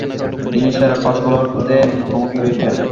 তিনি সেরা ফাস্ট বোলারদের মুখোমুখি হয়েছেন।